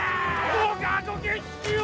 どうかご決心を！